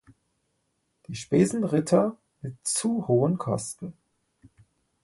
Die Spesenritter mit zu hohen Kosten.